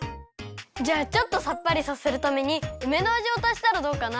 じゃあちょっとさっぱりさせるためにうめのあじをたしたらどうかな？